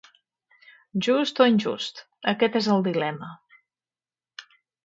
Just o injust, aquest és el dilema,